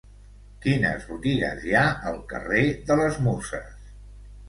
Quines botigues hi ha al carrer de les Muses?